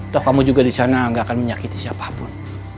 toh kamu juga di sana gak akan menyakiti siapapun